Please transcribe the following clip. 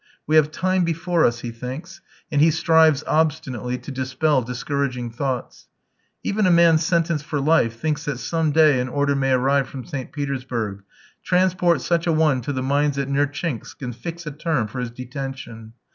"We have time before us," he thinks, and he strives obstinately to dispel discouraging thoughts. Even a man sentenced for life thinks that some day an order may arrive from St. Petersburg "Transport such a one to the mines at Nertchinsk and fix a term for his detention."